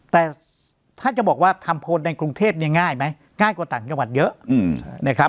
แต่ถ้าจะบอกว่าทำโพลในกรุงเทพเนี่ยง่ายไหมง่ายกว่าต่างจังหวัดเยอะนะครับ